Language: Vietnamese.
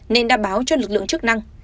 nên đảm báo cho lực lượng chức năng